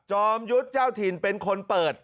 อมยุทธ์เจ้าถิ่นเป็นคนเปิด